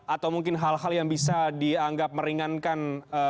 atau mungkin hal hal yang bisa dianggap meringankan